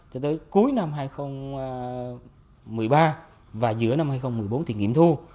cho tới cuối năm hai nghìn một mươi ba và giữa năm hai nghìn một mươi bốn thì nghiệm thu